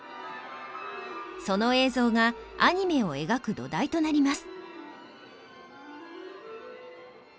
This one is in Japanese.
その映像がアニメを描く土台となります。